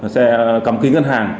xe cắm kính ngân hàng